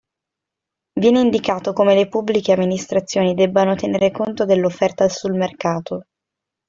Viene indicato come le Pubbliche Amministrazioni debbano tenere conto dell'offerta sul mercato.